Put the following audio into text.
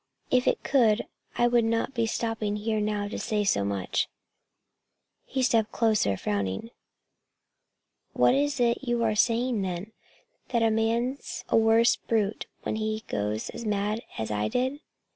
If it could, I would not be stopping here now to say so much." He stepped closer, frowning. "What is it you are saying then that a man's a worse brute when he goes mad, as I did?"